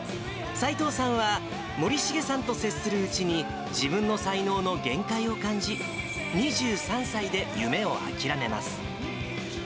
斎藤さんは森重さんと接するうちに、自分の才能の限界を感じ、２３歳で夢を諦めます。